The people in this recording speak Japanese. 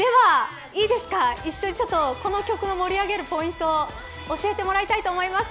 この曲を盛り上げるポイントを教えてもらいたいと思います。